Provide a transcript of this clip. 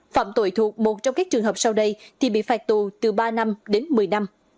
phạm tội thuộc một trong các trường hợp sau đây thì bị phạt tù từ ba năm đến một mươi năm